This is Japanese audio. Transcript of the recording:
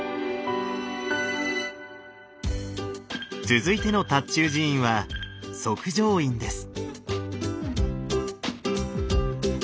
続いての塔頭寺院は即成院です。